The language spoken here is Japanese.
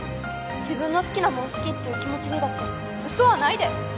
自分の好きなもん好きって言う気持ちにだってウソはないで！